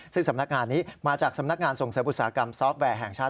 ซึ่งสำนักงานนี้มาจากสำนักงานส่งเสริมอุตสาหกรรมซอฟต์แวร์แห่งชาติ